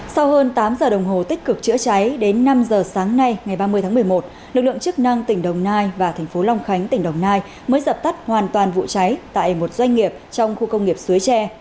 sau hơn tám giờ đồng hồ tích cực chữa cháy đến năm giờ sáng nay ngày ba mươi tháng một mươi một lực lượng chức năng tỉnh đồng nai và thành phố long khánh tỉnh đồng nai mới dập tắt hoàn toàn vụ cháy tại một doanh nghiệp trong khu công nghiệp suối tre